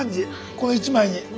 この一枚に。